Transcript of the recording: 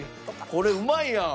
これうまいやん！